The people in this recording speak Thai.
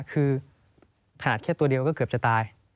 คือขนาดแค่ตัวเดียวก็เกือบจะตาย